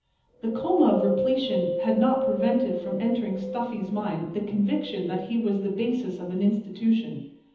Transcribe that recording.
The coma of repletion had not prevented from entering Stuffy's mind the conviction that he was the basis of an Institution.